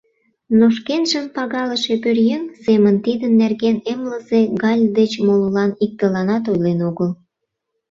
Но шкенжым пагалыше пӧръеҥ семын тидын нерген эмлызе Галь деч молылан иктыланат ойлен огыл.